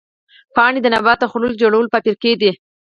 پاڼې د نبات د خوړو جوړولو فابریکې دي